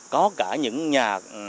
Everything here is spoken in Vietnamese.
có cả những nhà